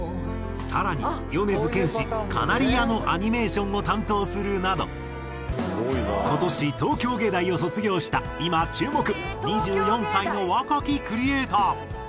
更に米津玄師『カナリヤ』のアニメーションを担当するなど今年東京藝大を卒業した今注目２４歳の若きクリエイター。